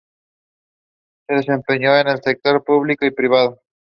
Se desempeñó en el sector público y privado.